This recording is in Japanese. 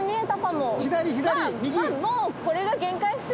もうこれが限界ですよ。